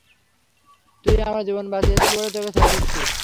তুই আমার জীবন বাঁচিয়েছিলি বলে তোকে ছেড়ে দিচ্ছি।